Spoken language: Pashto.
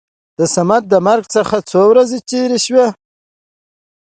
د صمد د مرګ څخه څو ورځې تېرې شوې.